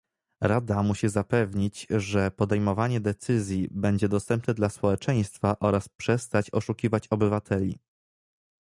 Rada musi zapewnić, że podejmowanie decyzji będzie dostępne dla społeczeństwa oraz przestać oszukiwać obywateli